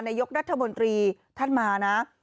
นายกรัฐมนตรีท่านมานะ